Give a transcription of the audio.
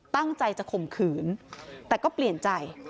ตั้งใจจะข่มขืนแต่ก็เปลี่ยนใจ